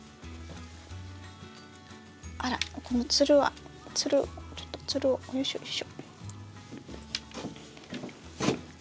あらこのツルはツルちょっとツルをよいしょよいしょ。